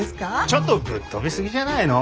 ちょっとぶっ飛びすぎじゃないの？